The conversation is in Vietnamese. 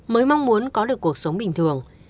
mới mong muốn có được cuộc sống bình thường